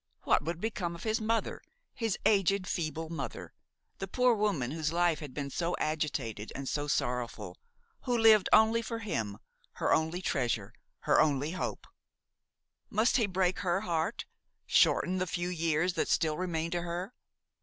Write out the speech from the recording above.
What would become of his mother, his aged, feeble mother, the poor woman whose life had been so agitated and so sorrowful, who lived only for him, her only treasure, her only hope? Must he break her heart, shorten the few years that still remained to her?